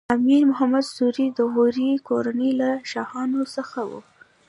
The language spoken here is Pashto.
امیر محمد سوري د غوري کورنۍ له شاهانو څخه و.